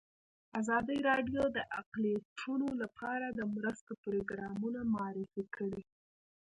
ازادي راډیو د اقلیتونه لپاره د مرستو پروګرامونه معرفي کړي.